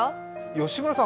吉村さん